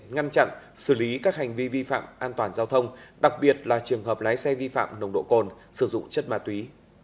ngăn chặn xử lý các hành vi vi phạm an toàn giao thông đặc biệt là trường hợp lái xe vi phạm nồng độ cồn sử dụng chất ma túy